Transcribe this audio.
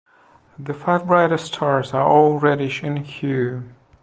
The five brightest stars are all reddish in hue.